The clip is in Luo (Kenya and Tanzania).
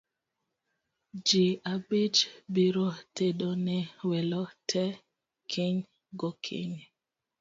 Ji abich biro tedo ne welo tee kiny go kinyi